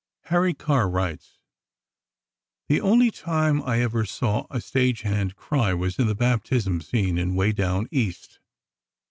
Harry Carr writes: The only time I ever saw a stage hand cry was in the baptism scene in "Way Down East."